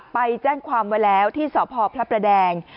ไปแจ้งความไว้แล้วที่สพพระประแดง